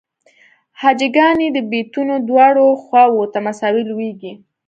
هجاګانې د بیتونو دواړو خواوو ته مساوي لویږي.